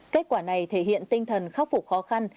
kết quả này thể hiện tinh thần khắc phục khó khăn